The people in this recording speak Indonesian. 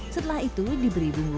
setelah itu diberi bumbu